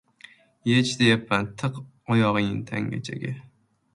— Yech deyapman. Tiq oyog‘ingni tanchaga!